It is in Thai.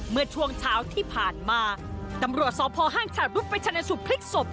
เมื่อช่วงเช้าที่ผ่านมาตำรวจสอบพอห้างฉันต์รุกไปชันสุบคลิกศพ